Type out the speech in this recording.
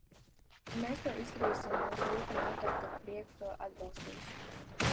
Ja mēs to izdarīsim, mūsu grupa noteikti ar prieku to atbalstīs.